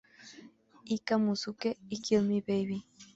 Ika Musume" y "Kill Me Baby".